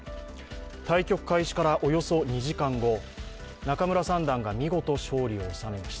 対局開始からおよそ２時間後、仲邑三段が見事勝利を収めました。